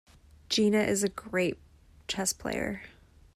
Gina is a great chess player.